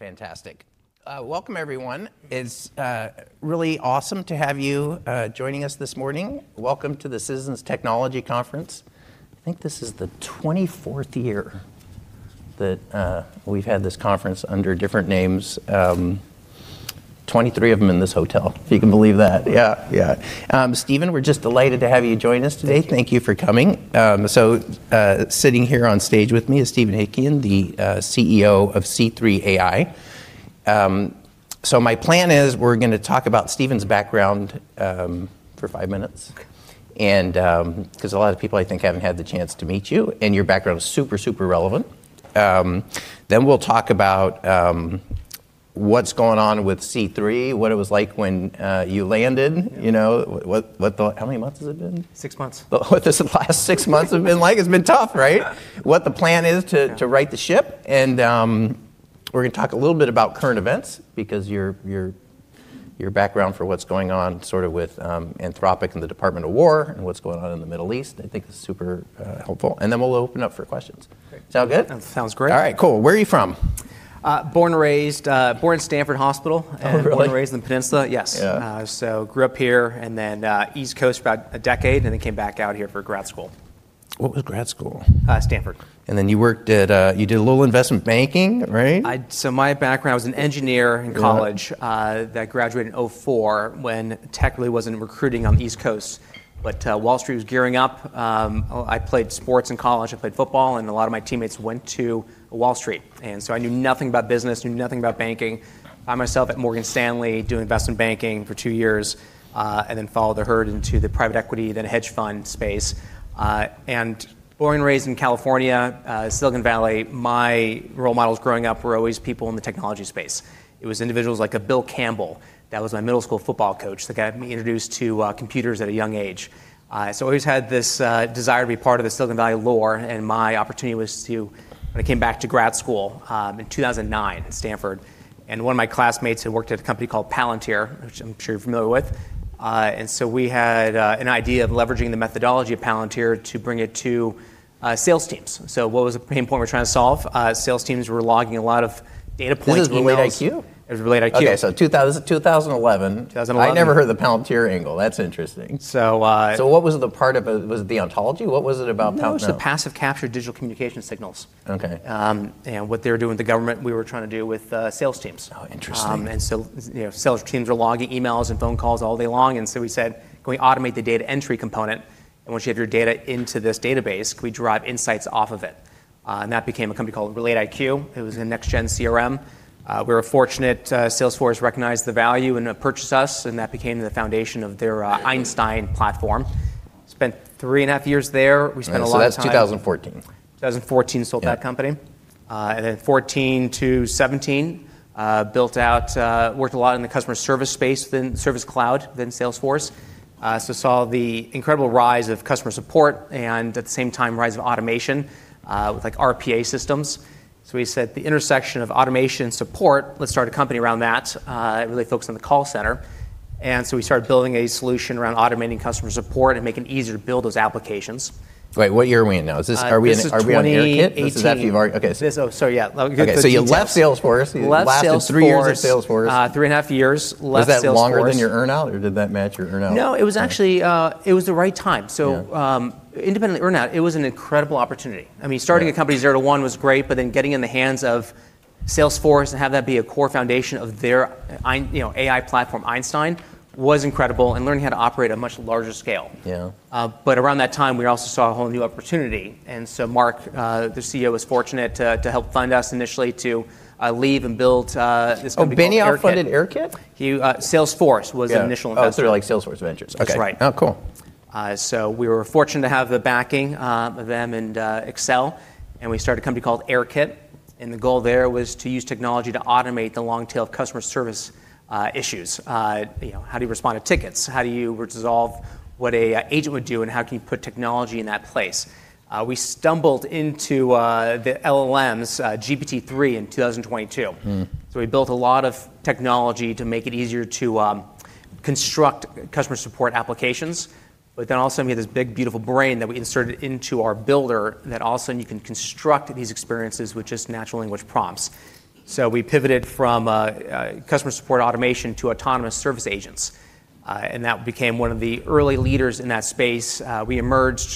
All right. Fantastic. Welcome everyone. It's really awesome to have you joining us this morning. Welcome to the Citizens of Technology conference. I think this is the 24th year that we've had this conference under different names. 23 of them in this hotel, if you can believe that. Yeah. Yeah. Stephen, we're just delighted to have you join us today. Thank you for coming. Sitting here on stage with me is Stephen Ehikian, the CEO of C3.ai. My plan is we're gonna talk about Stephen's background for five minutes and 'cause a lot of people I think haven't had the chance to meet you, and your background is super relevant. We'll talk about what's going on with C3.ai, what it was like when you landed, you know. How many months has it been? Six months. What the last 6 months have been like. It's been tough, right? Yeah. What the plan is to right the ship, we're gonna talk a little bit about current events because your background for what's going on sort of with Anthropic and the Department of Defense and what's going on in the Middle East, I think is super helpful. Then we'll open up for questions. Great. Sound good? That sounds great. All right. Cool. Where are you from? born in Stanford Hospital. Oh, really? Born and raised in the Peninsula, yes. Yeah. Grew up here and then, East Coast for about a decade, and then came back out here for grad school. What was grad school? Stanford. You worked at, you did a little investment banking, right? My background was an engineer in college- Yeah that graduated in 2004 when tech really wasn't recruiting on the East Coast. Wall Street was gearing up. I played sports in college. I played football, and a lot of my teammates went to Wall Street. I knew nothing about business, knew nothing about banking. Found myself at Morgan Stanley doing investment banking for two years, and then followed the herd into the private equity, then hedge fund space. Born and raised in California, Silicon Valley, my role models growing up were always people in the technology space. It was individuals like a Bill Campbell that was my middle school football coach, the guy who got me introduced to computers at a young age. always had this desire to be part of the Silicon Valley lore, and my opportunity was to, when I came back to grad school in 2009 at Stanford, and one of my classmates who worked at a company called Palantir, which I'm sure you're familiar with. we had an idea of leveraging the methodology of Palantir to bring it to sales teams. What was the pain point we're trying to solve? sales teams were logging a lot of data points, emails- This is RelateIQ? It was RelateIQ. Okay. 2011. 2011. I never heard the Palantir angle. That's interesting. So, uh- What was the part of it? Was it the ontology? What was it about Palantir? No, it was the passive capture digital communication signals. Okay. What they were doing with the government, we were trying to do with sales teams. Oh, interesting. you know, sales teams are logging emails and phone calls all day long, and so we said, "Can we automate the data entry component? Once you have your data into this database, can we derive insights off of it?" That became a company called RelateIQ. It was a next gen CRM. We were fortunate, Salesforce recognized the value and purchased us, and that became the foundation of their Einstein platform. Spent 3 and a half years there. We spent a lot of time. All right. That's 2014. 2014, sold that company. 2014 to 2017, built out, worked a lot in the customer service space within Service Cloud, within Salesforce. Saw the incredible rise of customer support and at the same time rise of automation, with like RPA systems. We said, "The intersection of automation and support, let's start a company around that," really focused on the call center. We started building a solution around automating customer support and making it easier to build those applications. Wait, what year are we in now? Are we in? This is 2018. Are we in Airkit? This is after you've already... Okay. Oh, sorry. Yeah. Let me go through the steps. Okay. You left Salesforce. Left Salesforce. You lasted three years at Salesforce. three and a half years. Left Salesforce. Was that longer than your earn-out, or did that match your earn-out? No, it was actually, it was the right time. Yeah. Independent of the earn-out, it was an incredible opportunity. Right. I mean, starting a company zero to one was great, but then getting in the hands of Salesforce and have that be a core foundation of their you know, AI platform, Einstein, was incredible, and learning how to operate at a much larger scale. Yeah. Around that time, we also saw a whole new opportunity. Mark, the CEO, was fortunate to help fund us initially to leave and build this company called Airkit. Oh, Benioff funded Airkit? He, Salesforce was the initial investor. Yeah. Oh, sort of like Salesforce Ventures. Okay. That's right. Oh, cool. We were fortunate to have the backing of them and Accel, and we started a company called Airkit, and the goal there was to use technology to automate the long tail of customer service issues. You know, how do you respond to tickets? How do you resolve what a agent would do, and how can you put technology in that place? We stumbled into the LLMs, GPT-3 in 2022. Mm. We built a lot of technology to make it easier to construct customer support applications. All of a sudden, we had this big beautiful brain that we inserted into our builder that all of a sudden you can construct these experiences with just natural language prompts. We pivoted from customer support automation to autonomous service agents, and that became one of the early leaders in that space. We launched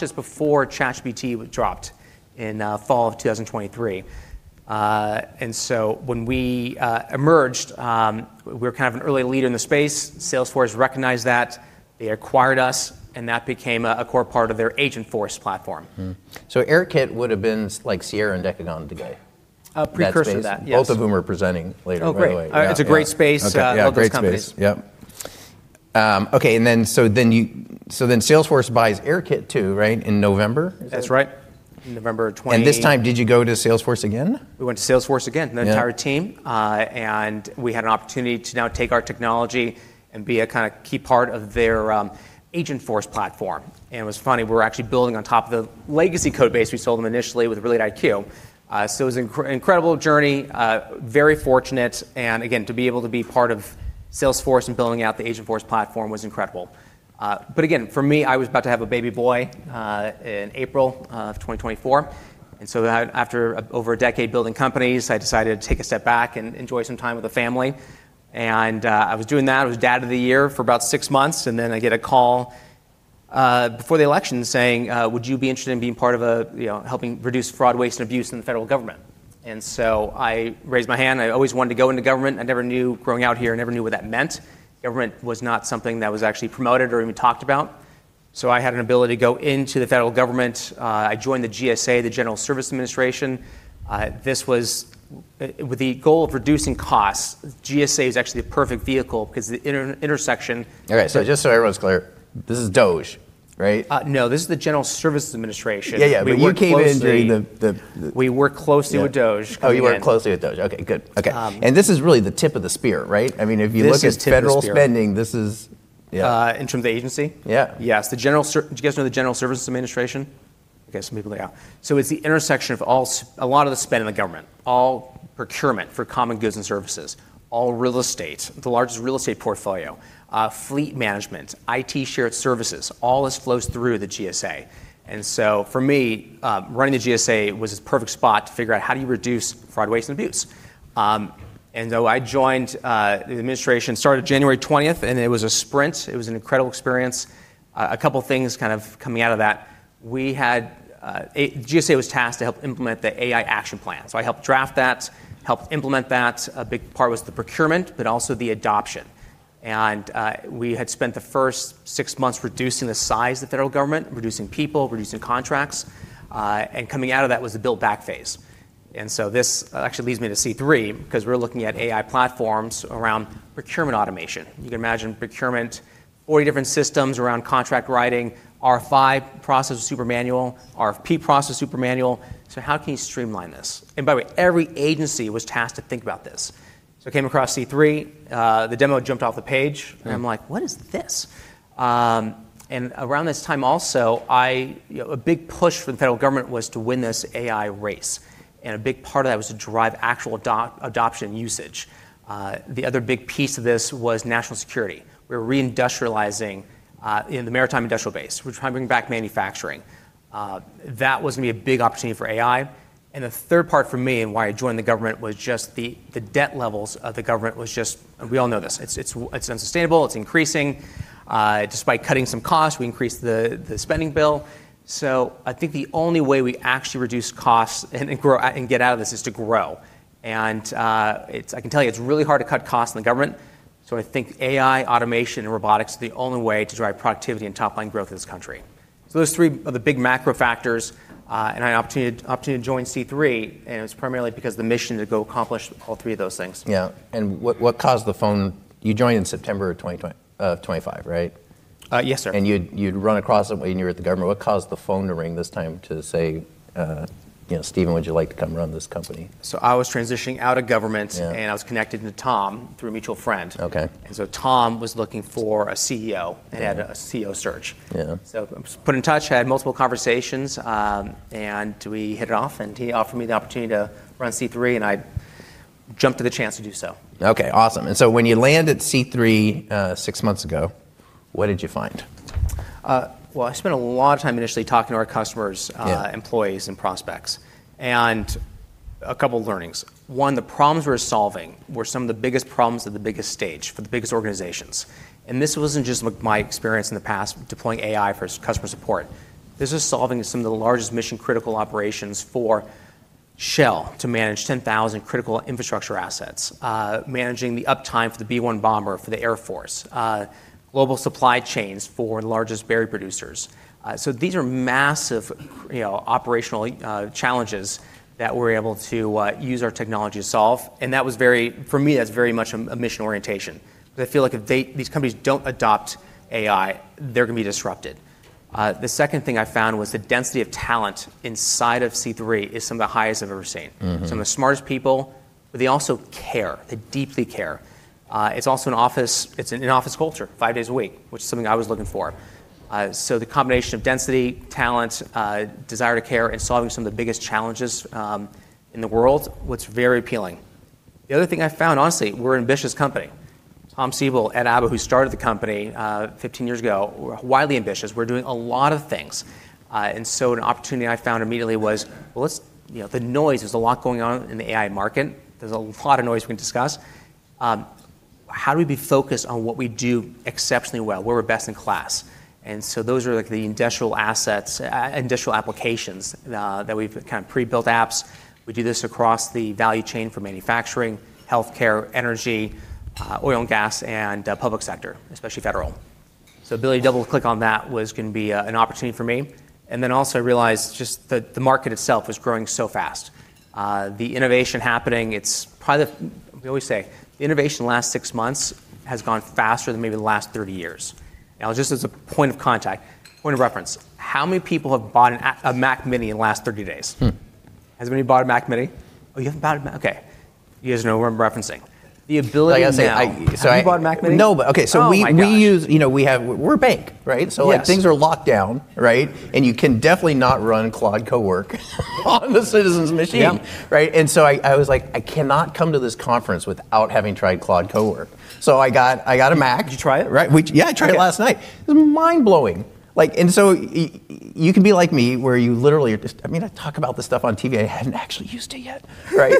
this before ChatGPT dropped in fall of 2023. When we emerged, we were kind of an early leader in the space. Salesforce recognized that. They acquired us, and that became a core part of their Agentforce platform. Airkit would've been like Sierra and Decagon today. A precursor to that. That space. Yes. Both of whom are presenting later, by the way. Oh, great. Yeah. Yeah. It's a great space. Okay. Yeah, great space love those companies. Yep. okay, Salesforce buys Airkit too, right, in November? That's right. In November of 20- This time, did you go to Salesforce again? We went to Salesforce again. Yeah ...the entire team. We had an opportunity to now take our technology and be a kinda key part of their Agentforce platform. What's funny, we're actually building on top of the legacy code base we sold them initially with RelateIQ. It was an incredible journey, very fortunate, and again, to be able to be part of Salesforce and building out the Agentforce platform was incredible. Again, for me, I was about to have a baby boy in April of 2024, and so after over a decade building companies, I decided to take a step back and enjoy some time with the family. I was doing that. I was dad of the year for about six months, and then I get a call before the election saying, "Would you be interested in being part of a, you know... helping reduce fraud, waste, and abuse in the federal government? I raised my hand. I always wanted to go into government. I never knew. Growing out here, I never knew what that meant. Government was not something that was actually promoted or even talked about. I had an ability to go into the federal government. I joined the GSA, the General Services Administration. This was with the goal of reducing costs. GSA is actually a perfect vehicle 'cause the intersection- Okay. Just so everyone's clear, this is DOGE, right? no. This is the General Services Administration. Yeah, yeah. You came in during the. We work closely with DOGE. Oh, you work closely with DOGE. Okay, good. Okay. This is really the tip of the spear, right? I mean, if you look at federal spending... This is tip of the spear. This is, yeah. In terms of agency? Yeah. Yes. Do you guys know the General Services Administration? Some people don't know. It's the intersection of a lot of the spend in the government, all procurement for common goods and services, all real estate, the largest real estate portfolio, fleet management, IT shared services. All this flows through the GSA. For me, running the GSA was this perfect spot to figure out how do you reduce fraud, waste, and abuse. I joined the administration, started January 20th, and it was a sprint. It was an incredible experience. A couple things kind of coming out of that. We had GSA was tasked to help implement the AI Action Plan. I helped draft that, helped implement that. A big part was the procurement, but also the adoption. We had spent the first six months reducing the size of the federal government, reducing people, reducing contracts, coming out of that was the build back phase. This actually leads me to C3.ai, 'cause we're looking at AI platforms around procurement automation. You can imagine procurement, 40 different systems around contract writing. RFI process is super manual. RFP process, super manual. How can you streamline this? By the way, every agency was tasked to think about this. I came across C3.ai. The demo jumped off the page. I'm like, "What is this?" Around this time also, I, you know, a big push for the federal government was to win this AI race, and a big part of that was to drive actual adoption usage. The other big piece of this was national security. We're re-industrializing in the maritime industrial base. We're trying to bring back manufacturing. That was gonna be a big opportunity for AI. The third part for me and why I joined the government was just the debt levels of the government was just. We all know this. It's, it's unsustainable. It's increasing. Despite cutting some costs, we increased the spending bill. I think the only way we actually reduce costs and grow and get out of this is to grow. I can tell you, it's really hard to cut costs in the government. I think AI, automation, and robotics are the only way to drive productivity and top-line growth in this country. Those three are the big macro factors. I had an opportunity to join C3.ai, and it's primarily because the mission to go accomplish all three of those things. Yeah. You joined in September of 2025, right? yes, sir. You'd run across it when you were at the government. What caused the phone to ring this time to say, you know, "Stephen, would you like to come run this company? I was transitioning out of government. Yeah... and I was connected to Tom through a mutual friend. Okay. Tom was looking for a CEO. Yeah. They had a CEO search. Yeah. I was put in touch. I had multiple conversations, and we hit it off, and he offered me the opportunity to run C3.ai, and I jumped at the chance to do so. Okay, awesome. When you landed C3, six months ago, what did you find? Well, I spent a lot of time initially talking to our customers. Yeah... employees and prospects. A couple learnings. One, the problems we were solving were some of the biggest problems at the biggest stage for the biggest organizations. This wasn't just my experience in the past deploying AI for customer support. This was solving some of the largest mission-critical operations for Shell to manage 10,000 critical infrastructure assets, managing the uptime for the B-1 bomber for the Air Force, global supply chains for the largest berry producers. So these are massive, you know, operational challenges that we're able to use our technology to solve. That was very. For me, that's very much a mission orientation 'cause I feel like if these companies don't adopt AI, they're gonna be disrupted. The second thing I found was the density of talent inside of C3.ai is some of the highest I've ever seen. Mm-hmm. Some of the smartest people, they also care. They deeply care. It's also an office, it's an in-office culture, 5 days a week, which is something I was looking for. The combination of density, talent, desire to care, and solving some of the biggest challenges in the world was very appealing. The other thing I found, honestly, we're an ambitious company. Tom Siebel, Edward Abbo, who started the company, 15 years ago, we're wildly ambitious. We're doing a lot of things. An opportunity I found immediately was, well, let's, you know, the noise, there's a lot going on in the AI market. There's a lot of noise we can discuss. How do we be focused on what we do exceptionally well, where we're best in class? Those are like the industrial assets, industrial applications, that we've kind of pre-built apps. We do this across the value chain for manufacturing, healthcare, energy, oil and gas, and public sector, especially federal. Ability to double-click on that was gonna be an opportunity for me. Then also realized just the market itself was growing so fast. The innovation happening, it's probably the We always say innovation in the last six months has gone faster than maybe the last 30 years. Just as a point of contact, point of reference, how many people have bought a Mac Mini in the last 30 days? Hmm. Has anybody bought a Mac mini? Oh, you haven't bought a okay. You guys know what I'm referencing. The ability now- Like I said. Have you bought a Mac mini? No, but okay. Oh my gosh. We use, you know, We're a bank, right? Yes. Like things are locked down, right? You can definitely not run Claude Cowork on a Citizens' machine. Yep. Right? I was like, "I cannot come to this conference without having tried Claude Cowork." I got a Mac. Did you try it? Right. Which, yeah, I tried it last night. It was mind-blowing. Like, you can be like me, where you literally are just I mean, I talk about this stuff on TV. I hadn't actually used it yet, right?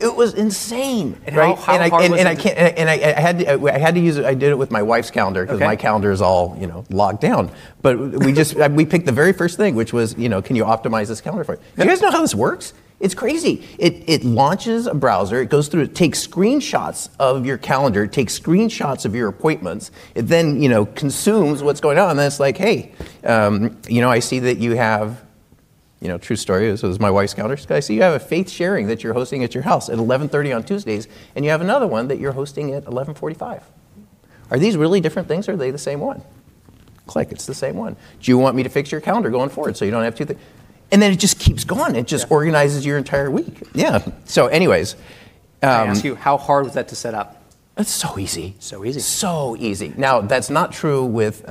It was insane, right? How was it? I had to use it. I did it with my wife's calendar. Okay. because my calendar is all, you know, locked down. We just, we picked the very first thing, which was, you know, can you optimize this calendar for me? Yep. You guys know how this works? It's crazy. It launches a browser. It goes through, it takes screenshots of your calendar, it takes screenshots of your appointments. It then, you know, consumes what's going on, and then it's like, "Hey, you know, I see that you have," you know, true story. This was my wife's calendar. It's like, "I see you have a faith sharing that you're hosting at your house at 11:30 on Tuesdays, and you have another one that you're hosting at 11:45. Are these really different things or are they the same one?" Click. It's the same one. "Do you want me to fix your calendar going forward so you don't have two things?" It just keeps going. Yeah. It just organizes your entire week. Yeah. Anyways. Can I ask you, how hard was that to set up? It's so easy. easy. Easy. Now, that's not true with,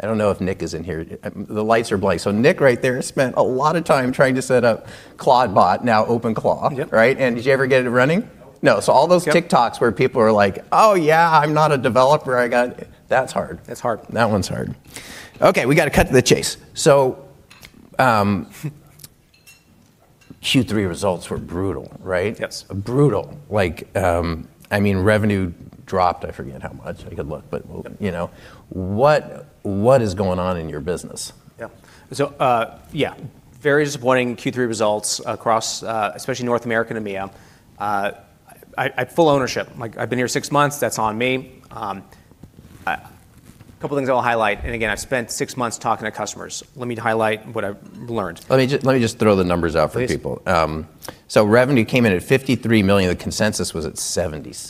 I don't know if Nick is in here. The lights are blank. Nick right there spent a lot of time trying to set up Claude Bot, now OpenClaw. Yep. Right? Did you ever get it running? No. No. Yep. All those TikToks where people are like, "Oh yeah, I'm not a developer." That's hard. That's hard. That one's hard. Okay, we gotta cut to the chase. Q3 results were brutal, right? Yes. Brutal. Like, I mean, revenue dropped, I forget how much. I could look. Okay. You know? What is going on in your business? Yeah. yeah. Very disappointing Q3 results across, especially North America and EMEA. Full ownership. Like, I've been here 6 months, that's on me. couple things I wanna highlight. Again, I've spent six months talking to customers. Let me highlight what I've learned. Let me just throw the numbers out for people. Please. Revenue came in at $53 million. The consensus was at $76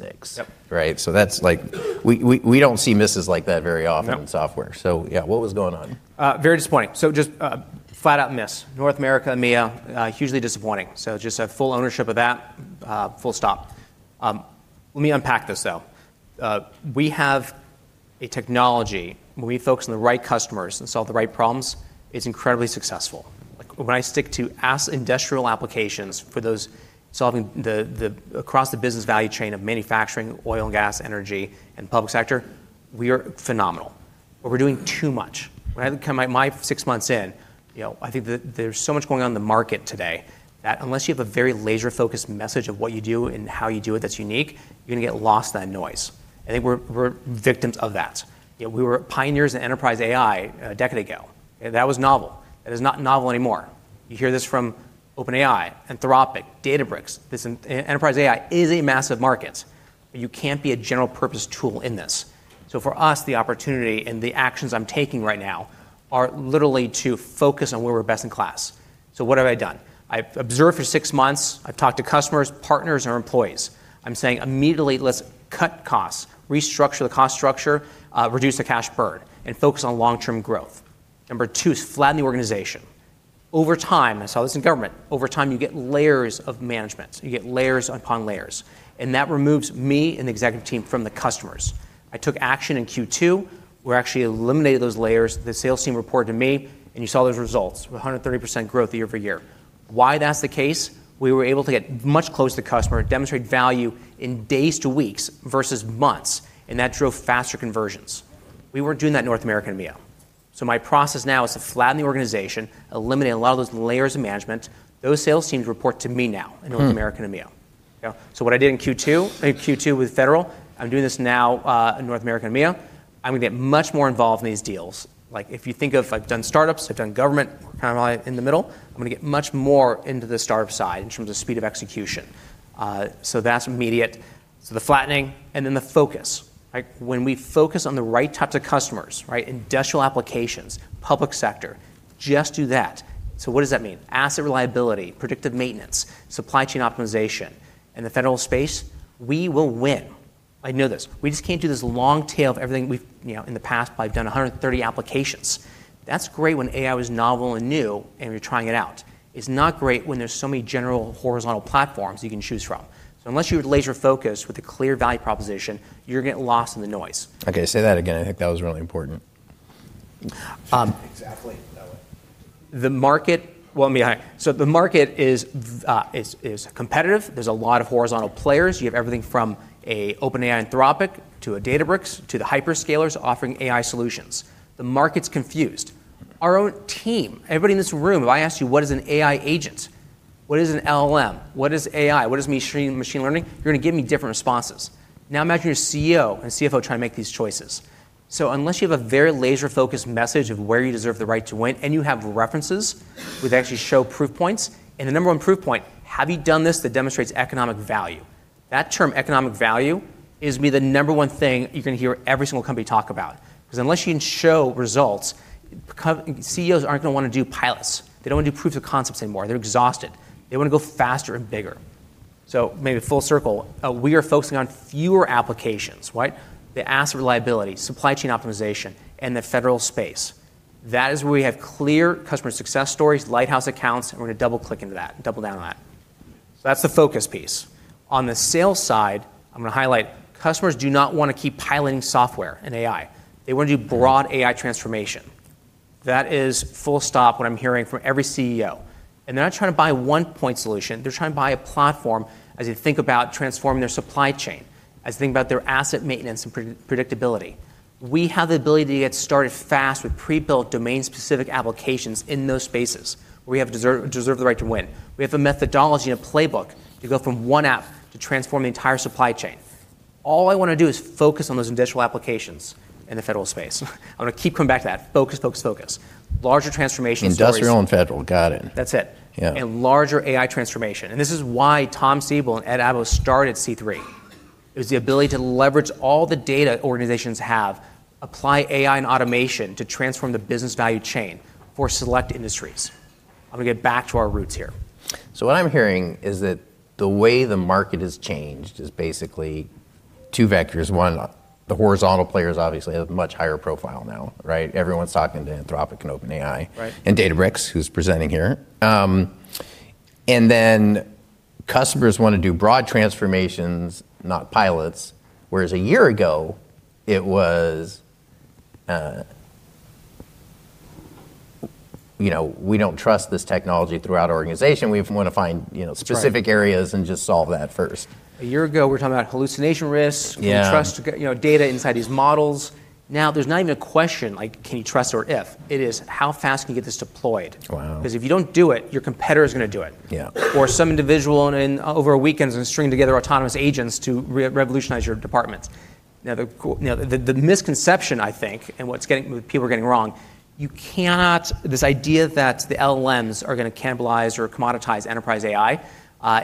million. Yep. Right? That's like. We don't see misses like that very often. No. in software. yeah. What was going on? Very disappointing. Just flat out miss. North America, EMEA, hugely disappointing. Just full ownership of that, full stop. Let me unpack this though. We have a technology, when we focus on the right customers and solve the right problems, it's incredibly successful. Like, when I stick to industrial applications for those solving the across the business value chain of manufacturing, oil and gas, energy, and public sector, we are phenomenal. We're doing too much. When I come my six months in, you know, I think that there's so much going on in the market today that unless you have a very laser-focused message of what you do and how you do it that's unique, you're gonna get lost in that noise. I think we're victims of that. You know, we were pioneers in enterprise AI a decade ago, That was novel. That is not novel anymore. You hear this from OpenAI, Anthropic, Databricks. This Enterprise AI is a massive market, You can't be a general purpose tool in this. For us, the opportunity and the actions I'm taking right now are literally to focus on where we're best in class. What have I done? I've observed for six months. I've talked to customers, partners, and our employees. I'm saying immediately let's cut costs, restructure the cost structure, reduce the cash burn, and focus on long-term growth. Number 2 is flatten the organization. Over time, I saw this in government, over time you get layers of management. You get layers upon layers, and that removes me and the executive team from the customers. I took action in Q2, where I actually eliminated those layers. The sales team reported to me, and you saw those results, a 130% growth year-over-year. Why that's the case? We were able to get much closer to customer, demonstrate value in days to weeks versus months, and that drove faster conversions. We weren't doing that in North America and EMEA. My process now is to flatten the organization, eliminate a lot of those layers of management. Those sales teams report to me now. In North America and EMEA, you know. What I did in Q2, I did Q2 with Federal. I'm doing this now in North America and EMEA. I'm gonna get much more involved in these deals. If you think of I've done startups, I've done government, kind of like in the middle. I'm gonna get much more into the startup side in terms of speed of execution. That's immediate. The flattening and the focus. When we focus on the right types of customers, right? Industrial applications, public sector, just do that. What does that mean? asset reliability, predictive maintenance, supply chain optimization. In the Federal space, we will win. I know this. We just can't do this long tail of everything we've, you know, in the past I've done 130 applications. That's great when AI was novel and new and you're trying it out. It's not great when there's so many general horizontal platforms you can choose from. Unless you have laser focus with a clear value proposition, you're getting lost in the noise. Okay, say that again. I think that was really important. Exactly that way. Well, let me highlight. The market is competitive. There's a lot of horizontal players. You have everything from an OpenAI Anthropic, to a Databricks, to the hyperscalers offering AI solutions. The market's confused. Our own team, everybody in this room, if I asked you, "What is an AI agent? What is an LLM? What is AI? What does machine learning?" You're gonna give me different responses. Now imagine you're a CEO and a CFO trying to make these choices. Unless you have a very laser-focused message of where you deserve the right to win and you have references which actually show proof points, and the number one proof point, have you done this that demonstrates economic value? That term, economic value, is gonna be the number one thing you're gonna hear every single company talk about. 'Cause unless you can show results, co-CEOs aren't gonna wanna do pilots. They don't wanna do proofs of concepts anymore. They're exhausted. They wanna go faster and bigger. Maybe full circle, we are focusing on fewer applications, right? The asset reliability, supply chain optimization, and the federal space. That is where we have clear customer success stories, lighthouse accounts, and we're gonna double-click into that and double down on that. That's the focus piece. On the sales side, I'm gonna highlight, customers do not wanna keep piloting software and AI. They wanna do broad AI transformation. That is full stop what I'm hearing from every CEO, and they're not trying to buy a one-point solution. They're trying to buy a platform as they think about transforming their supply chain. I just think about their asset maintenance and predictability. We have the ability to get started fast with pre-built domain specific applications in those spaces, where we have deserve the right to win. We have a methodology and a playbook to go from one app to transform the entire supply chain. All I wanna do is focus on those initial applications in the federal space. I'm gonna keep coming back to that. Focus, focus. Industrial and federal. Got it. That's it. Yeah. Larger AI transformation. This is why Tom Siebel and Ed Abos started C3. It was the ability to leverage all the data organizations have, apply AI and automation to transform the business value chain for select industries. I'm gonna get back to our roots here. What I'm hearing is that the way the market has changed is basically two vectors. One, the horizontal players obviously have a much higher profile now, right? Everyone's talking to Anthropic and OpenAI. Right... and Databricks, who's presenting here. Customers wanna do broad transformations, not pilots, whereas a year ago, it was, you know, we don't trust this technology throughout our organization. We wanna find, you know... That's right. specific areas and just solve that first. A year ago, we were talking about hallucination risks. Yeah. Can we trust, you know, data inside these models? Now there's not even a question like can you trust or if. It is, how fast can you get this deployed? Wow. If you don't do it, your competitor is gonna do it. Yeah. Some individual in, over a weekend is gonna string together autonomous agents to re-revolutionize your department. Now, you know, the misconception, I think, and people are getting wrong, this idea that the LLMs are gonna cannibalize or commoditize enterprise AI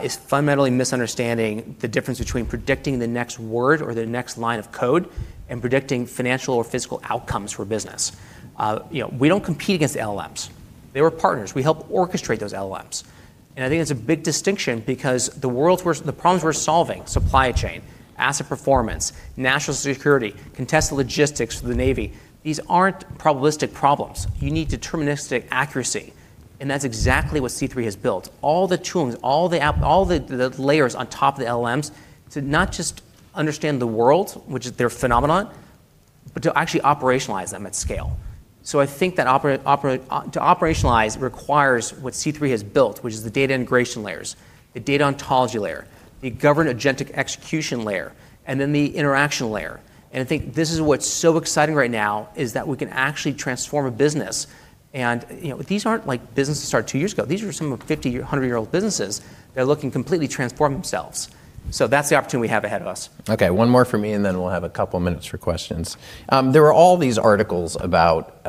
is fundamentally misunderstanding the difference between predicting the next word or the next line of code and predicting financial or physical outcomes for business. you know, we don't compete against LLMs. They're our partners. We help orchestrate those LLMs. I think that's a big distinction because the problems we're solving, supply chain, asset performance, national security, contested logistics for the Navy, these aren't probabilistic problems. You need deterministic accuracy, and that's exactly what C3.ai has built. All the tools, all the layers on top of the LLMs to not just understand the world, which is their phenomenon, but to actually operationalize them at scale. I think that to operationalize requires what C3 has built, which is the data integration layers, the data ontology layer, the governed agentic execution layer, and then the interaction layer. I think this is what's so exciting right now, is that we can actually transform a business. You know, these aren't like businesses that started two years ago. These are some of them are 50-year, 100-year-old businesses that are looking to completely transform themselves. That's the opportunity we have ahead of us. Okay, one more from me, and then we'll have a couple minutes for questions. There are all these articles about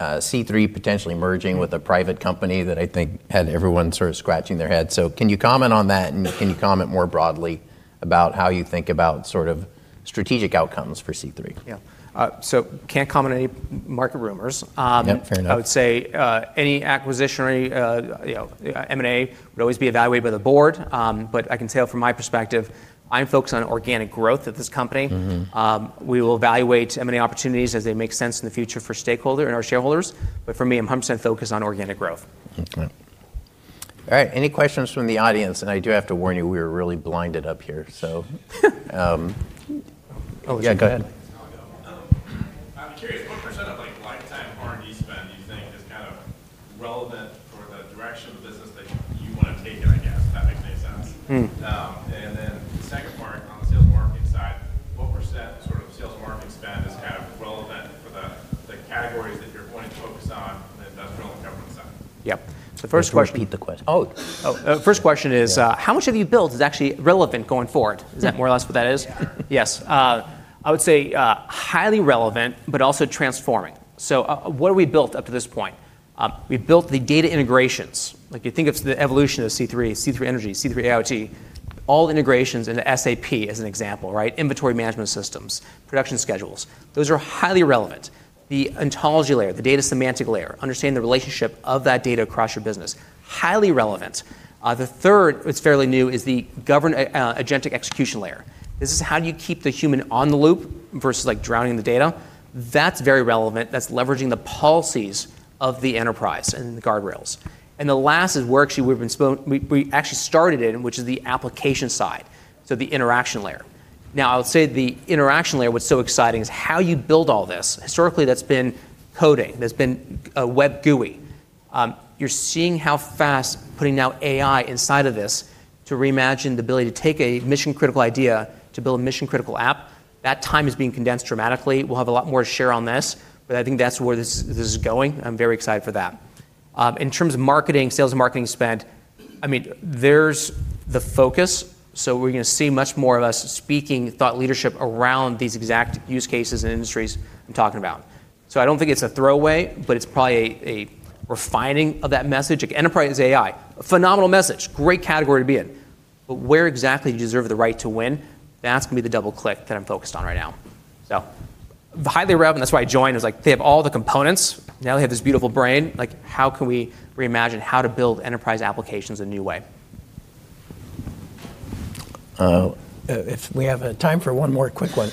C3 potentially merging with a private company that I think had everyone sort of scratching their head. Can you comment on that, and can you comment more broadly about how you think about sort of strategic outcomes for C3? Yeah. Can't comment on any market rumors. Yep, fair enough. I would say, any acquisitionary, you know, M&A would always be evaluated by the board. I can tell from my perspective, I'm focused on organic growth at this company. Mm-hmm. We will evaluate M&A opportunities as they make sense in the future for stakeholder and our shareholders. For me, I'm 100% focused on organic growth. Okay. All right. Any questions from the audience? I do have to warn you, we are really blinded up here. Yeah, go ahead. I'm curious, what percent of, like, lifetime R&D spend do you think is kind of relevant for the direction of the business that you wanna take it, I guess, if that makes any sense? The second part on the sales and marketing side, what percent sort of sales and marketing spend is kind of relevant for the categories that you're going to focus on in the industrial and government side? Yeah. first question. Just repeat the question. Oh. Oh. First question is, how much have you built is actually relevant going forward? Is that more or less what that is? Yeah. Yes. I would say, highly relevant, but also transforming. What have we built up to this point? We've built the data integrations. Like, you think it's the evolution of C3 Energy, C3 IoT, all integrations into SAP as an example, right? Inventory management systems, production schedules. Those are highly relevant. The ontology layer, the data semantic layer, understanding the relationship of that data across your business, highly relevant. The third, what's fairly new, is the agentic execution layer. This is how do you keep the human on the loop versus, like, drowning the data. That's very relevant. That's leveraging the policies of the enterprise and the guardrails. The last is where actually We actually started in, which is the application side, so the interaction layer. I would say the interaction layer, what's so exciting is how you build all this. Historically, that's been coding. That's been a web GUI. You're seeing how fast putting now AI inside of this to reimagine the ability to take a mission-critical idea to build a mission-critical app. That time is being condensed dramatically. We'll have a lot more to share on this, but I think that's where this is going. I'm very excited for that. In terms of marketing, sales and marketing spend, I mean, there's the focus, so we're gonna see much more of us speaking thought leadership around these exact use cases and industries I'm talking about. I don't think it's a throwaway, but it's probably a refining of that message. Enterprise is AI, a phenomenal message, great category to be in. Where exactly do you deserve the right to win? That's gonna be the double click that I'm focused on right now. Highly relevant. That's why I joined, was like, they have all the components. Now they have this beautiful brain. Like, how can we reimagine how to build enterprise applications a new way? If we have time for one more quick one.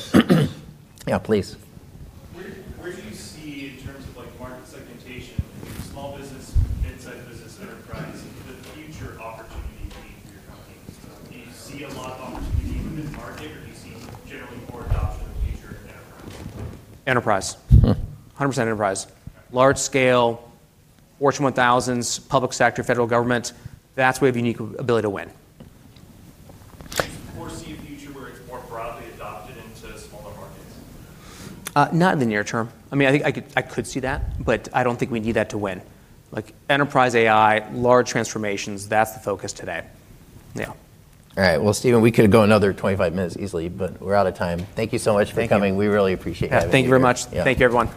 Yeah, please. Where do you see in terms of, like, market segmentation, small business, inside business enterprise, the future opportunity being for your company? Do you see a lot of opportunity in this market, or do you see generally more adoption in the future in enterprise? Enterprise. 100% enterprise. Okay. Large scale, Fortune 1000, public sector, federal government, that's where we have unique ability to win. Do you foresee a future where it's more broadly adopted into smaller markets? Not in the near term. I mean, I think I could see that, but I don't think we need that to win. Like, enterprise AI, large transformations, that's the focus today. Yeah. All right. Well, Stephen, we could go another 25 minutes easily, but we're out of time. Thank you so much for coming. Thank you. We really appreciate having you here. Thank you very much. Yeah. Thank you, everyone.